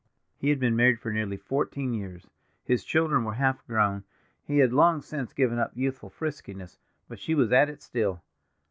He had been married for nearly fourteen years, his children were half grown, he had long since given up youthful friskiness, but she was "at it" still.